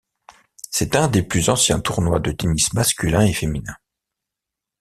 C'est un des plus anciens tournois de tennis masculin et féminin.